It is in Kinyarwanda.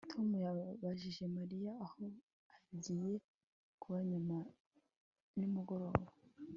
Tom yabajije Mariya aho agiye kuba nyuma nimugoroba